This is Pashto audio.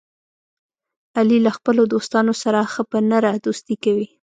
علي له خپلو دوستانو سره ښه په نره دوستي کوي.